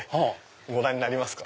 ご覧になりますか？